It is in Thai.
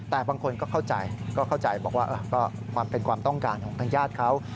แต่บางคนก็เข้าใจก็เข้าใจบอกว่าก็เป็นความต้องการของทางญาติเขา